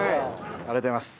ありがとうございます。